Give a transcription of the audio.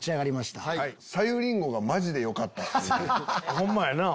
ホンマやな。